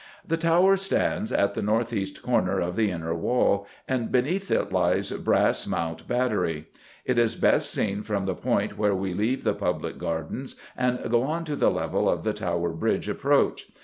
The tower stands at the north east corner of the Inner Wall, and beneath it lies Brass Mount battery. It is best seen from the point where we leave the public gardens and go on to the level of the Tower Bridge Approach.